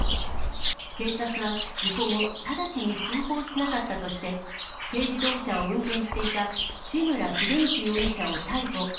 警察は、事故後、直ちに通報しなかったとして、軽自動車を運転していた志村秀光容疑者を逮捕。